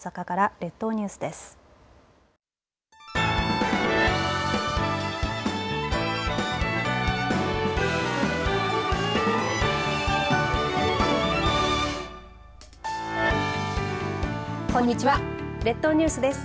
列島ニュースです。